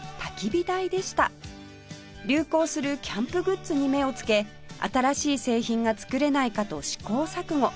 流行するキャンプグッズに目をつけ新しい製品が作れないかと試行錯誤